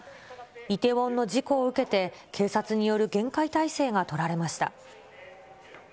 イテウォンの事故を受けて、警察による厳戒態勢が取られました。